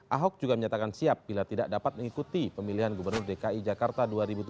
ahok juga menyatakan siap bila tidak dapat mengikuti pemilihan gubernur dki jakarta dua ribu tujuh belas